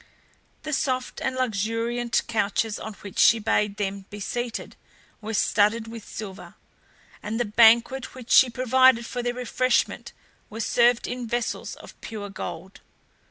The soft and luxuriant couches on which she bade them be seated were studded with silver, and the banquet which she provided for their refreshment was served in vessels of pure gold.